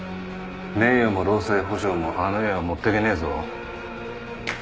名誉も労災補償もあの世へは持ってけねえぞ。